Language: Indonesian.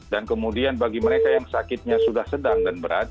dan kemudian bagi mereka yang sakitnya sudah sedang dan berat